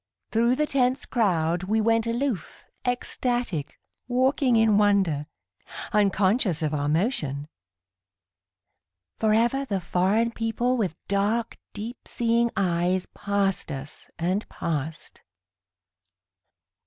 Thru the tense crowd We went aloof, ecstatic, walking in wonder, Unconscious of our motion. Forever the foreign people with dark, deep seeing eyes Passed us and passed.